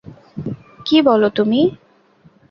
কী বল তুমি!